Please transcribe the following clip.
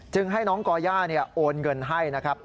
ให้น้องก่อย่าโอนเงินให้นะครับ